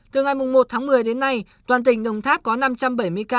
từ ngày một tháng một mươi đến nay toàn tỉnh đồng tháp có năm trăm bảy mươi ca